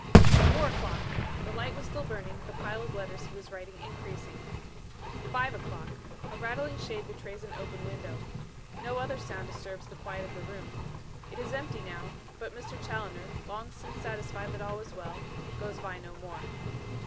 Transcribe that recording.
Four o'clock! The light was still burning, the pile of letters he was writing increasing. Five o'clock! A rattling shade betrays an open window. No other sound disturbs the quiet of the room. It is empty now; but Mr. Challoner, long since satisfied that all was well, goes by no more.